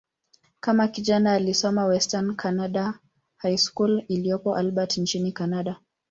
Kama kijana, alisoma "Western Canada High School" iliyopo Albert, nchini Kanada.